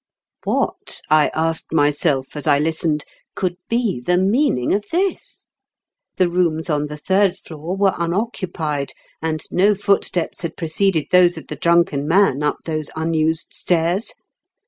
What, I asked myself as I listened, could be the meaning of this ? The rooms on the third floor were unoccupied, and no footsteps had preceded those of the drunken man up those unused stairs.